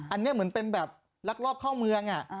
อันนี้เหมือนเป็นแบบลักลอบเข้าเมือง